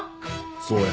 そうや。